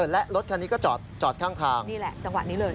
และรถคันนี้ก็จอดข้างทางนี่แหละจังหวะนี้เลย